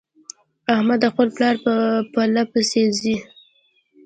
احمد د خپل پلار په پله پسې ځي.